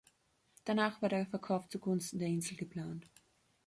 Danach war der Verkauf zu Gunsten der Insel geplant.